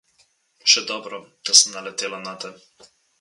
Še dobro, da sem naletela nate.